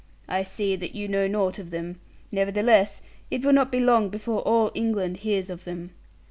I see that you know naught of them. Nevertheless, it will not be long before all England hears of them.